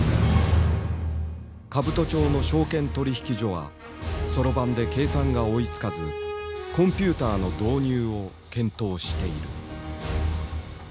兜町の証券取引所はそろばんで計算が追いつかずコンピューターの導入を検討している。